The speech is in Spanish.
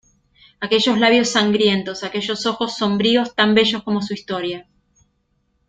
¡ aquellos labios sangrientos, aquellos ojos sombríos tan bellos como su historia!...